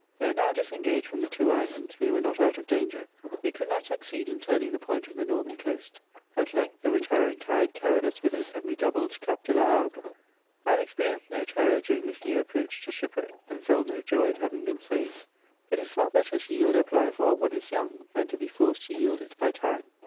Though now disengaged from the two islands we wese not out of danger. We could not succeed in turning the point of the northern coast ; at length, the retiring tide carried us with it, and we doubled Cape de la Hague. 1 had experienced no terror during this near approach to shipwreck, and felt no joy at having been saved ; it is far better to yield up life while one is young, than to be forced to yield it by time.